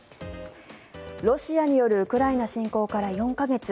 ロシアによるウクライナ侵攻から４か月。